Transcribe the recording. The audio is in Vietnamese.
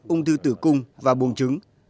ung thư tử cung và bùng trứng